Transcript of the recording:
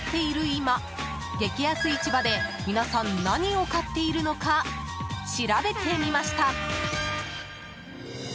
今激安市場で皆さん何を買っているのかしらべてみました。